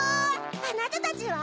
あなたたちは？